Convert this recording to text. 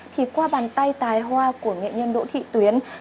thì qua bàn tay tài hoa của nghệ nhân đỗ thị tuyến